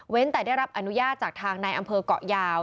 แต่ได้รับอนุญาตจากทางในอำเภอกเกาะยาว